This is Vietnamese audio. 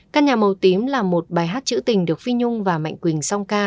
căn nhà màu tím là một bài hát trữ tình được phi nhung và mạnh quỳnh song ca